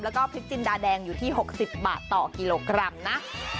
แล้วก็พริกจินดาแดงอยู่ที่๖๐บาทต่อกิโลกรัมนะ